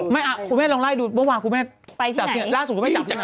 ไม่อ่ะคุณแม่ลองไล่ดูว่าคุณแม่ไปที่ไหนล่าสุดไม่จับไหน